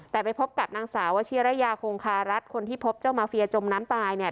แต่ไปพบกับนางสาววชิระยาโคงคารัฐคนที่พบเจ้ามาเฟียจมน้ำตายเนี่ย